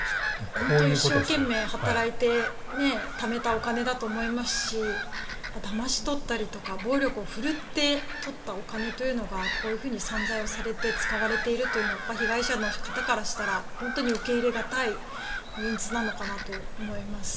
本当に一生懸命働いてためたお金だと思いますしだまし取ったりだとか暴力を振るって取ったお金というのがこういうふうに散財されて使われているのは被害者の方からしたら本当に受け入れ難い現実なのかなと思います。